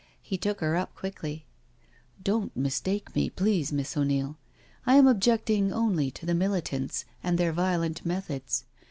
He took her up quickly: " Don't mistake me, please. Miss O'Neil. I am objecting only to the Militants and their violent methods.